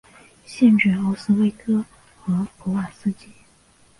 县治奥斯威戈和普瓦斯基。